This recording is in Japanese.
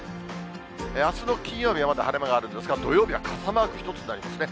あすの金曜日はまだ晴れ間があるんですが、土曜日は傘マーク１つになりますね。